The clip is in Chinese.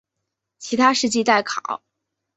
其他事迹待考。